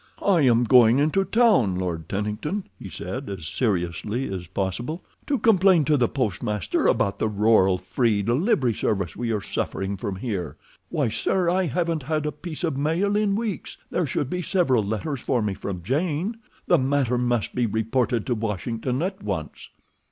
'I am going into town, Lord Tennington,' he said, as seriously as possible, 'to complain to the postmaster about the rural free delivery service we are suffering from here. Why, sir, I haven't had a piece of mail in weeks. There should be several letters for me from Jane. The matter must be reported to Washington at once.